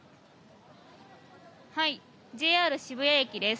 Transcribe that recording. ＪＲ渋谷駅です。